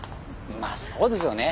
まあそうですよね。